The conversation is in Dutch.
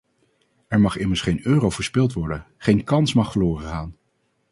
Er mag immers geen euro verspild worden, geen kans mag verloren gaan.